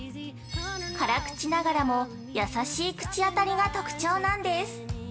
辛口ながらも優しい口当たりが特徴なんです。